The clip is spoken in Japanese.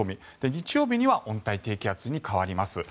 日曜日には温帯低気圧に変わります。